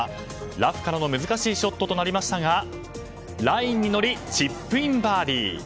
ラフからの難しいショットとなりましたがラインに乗りチップインバーディー！